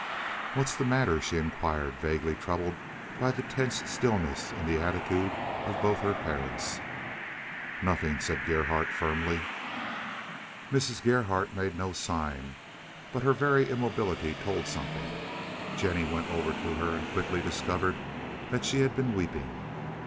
"What's the matter?" she inquired, vaguely troubled by the tense stillness in the attitude of both her parents. "Nothing," said Gerhardt firmly. Mrs. Gerhardt made no sign, but her very immobility told something. Jennie went over to her and quickly discovered that she had been weeping.